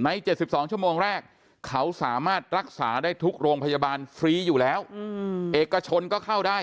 ๗๒ชั่วโมงแรกเขาสามารถรักษาได้ทุกโรงพยาบาลฟรีอยู่แล้วเอกชนก็เข้าได้